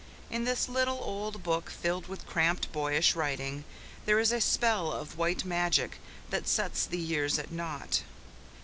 In this little, old book, filled with cramped, boyish writing, there is a spell of white magic that sets the years at naught.